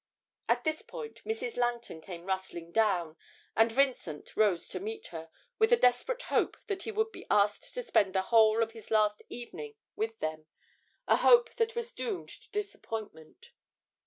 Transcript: At this point Mrs. Langton came rustling down, and Vincent rose to meet her, with a desperate hope that he would be asked to spend the whole of his last evening with them a hope that was doomed to disappointment.